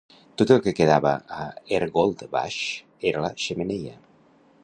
Tot el que quedava a Ergoldsbach era la xemeneia.